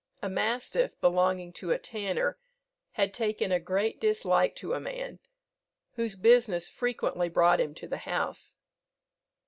A mastiff belonging to a tanner had taken a great dislike to a man, whose business frequently brought him to the house.